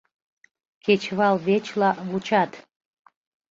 Кечывал вечла вучат